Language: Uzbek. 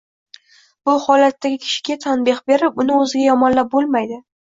Bu holatdagi kishiga tanbeh berib, uni o‘ziga yomonlab bo‘lmaydi.